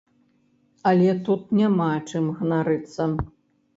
Але тут няма чым ганарыцца.